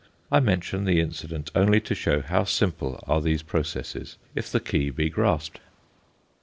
I mention the incident only to show how simple are these processes if the key be grasped.